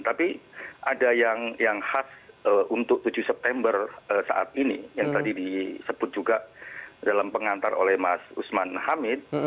tapi ada yang khas untuk tujuh september saat ini yang tadi disebut juga dalam pengantar oleh mas usman hamid